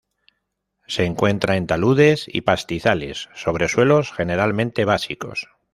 Se encuentra en taludes y pastizales sobre suelos generalmente básicos.